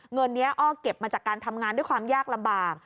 เงินนี้อ้อเก็บมาจากการทำงานด้วยความยากลำบาก